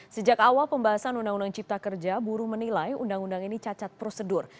sejak awal pembahasan undang undang cipta kerja buruh menilai undang undang ini cacat prosedur